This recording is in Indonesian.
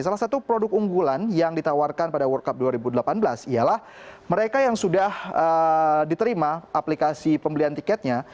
salah satu produk unggulan yang ditawarkan pada world cup dua ribu delapan belas ialah mereka yang sudah diterima aplikasi pembelian tiketnya